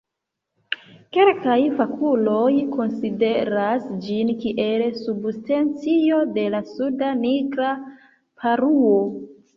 Kelkaj fakuloj konsideras ĝin kiel subspecio de la Suda nigra paruo.